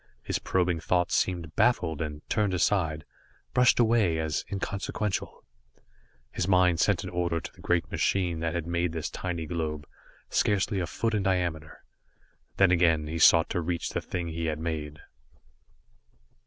His probing thoughts seemed baffled and turned aside, brushed away, as inconsequential. His mind sent an order to the great machine that had made this tiny globe, scarcely a foot in diameter. Then again he sought to reach the thing he had made.